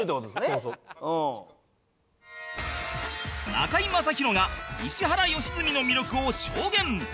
中居正広が石原良純の魅力を証言